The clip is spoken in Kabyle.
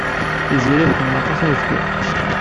Tiziri tḥemmel aṭas ayefki.